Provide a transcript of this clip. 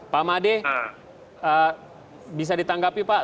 pak made bisa ditanggapi pak